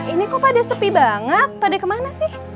ini kok pada sepi banget pada kemana sih